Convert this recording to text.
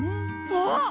あっ！